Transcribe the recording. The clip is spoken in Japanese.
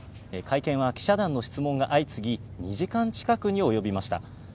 会見は記者団の質問が相次ぎ、２時間近くに及びました。